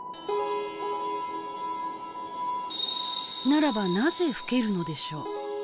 ならばなぜ老けるのでしょう？